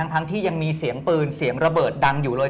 ทั้งที่ยังมีเสียงปืนเสียงระเบิดดังอยู่เลย